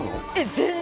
全然。